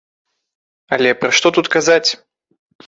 Але пра што тут казаць?